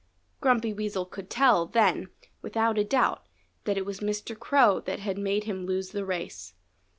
Grumpy Weasel could tell, then, without a doubt, that it was Mr. Crow that had made him lose the race.